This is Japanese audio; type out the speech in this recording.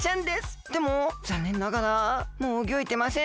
でもざんねんながらもううギョいてません。